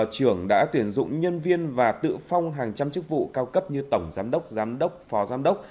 trưởng đã tuyển dụng nhân viên và tự phong hàng trăm chức vụ cao cấp như tổng giám đốc giám đốc phó giám đốc